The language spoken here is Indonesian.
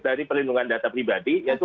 dari perlindungan data pribadi yaitu